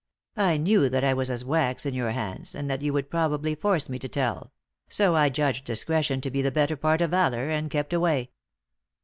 I knew that I was as wax in your hands, and that you would probably force me to tell; so I judged discretion to be the better part of valour, and kept away."